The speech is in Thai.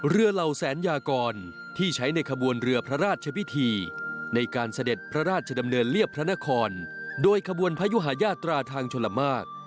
เหล่าแสนยากรที่ใช้ในขบวนเรือพระราชพิธีในการเสด็จพระราชดำเนินเรียบพระนครโดยขบวนพระยุหาญาตราทางชลมาก